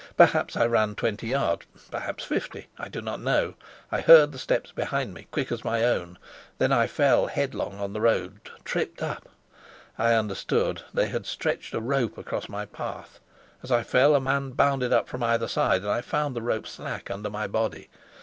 Perhaps I ran twenty yards, perhaps fifty; I do not know. I heard the steps behind me, quick as my own. Then I fell headlong on the road tripped up! I understood. They had stretched a rope across my path; as I fell a man bounded up from either side, and I found the rope slack under my body.